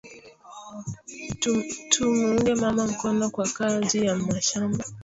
Tu muunge mama mukono kwa kaji ya mashamba